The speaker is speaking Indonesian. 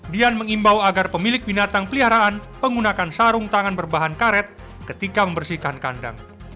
dian mengimbau agar pemilik binatang peliharaan menggunakan sarung tangan berbahan karet ketika membersihkan kandang